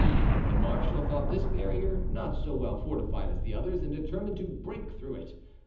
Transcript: The marshal thought this barrier not so well fortified as the others and determined to break through it.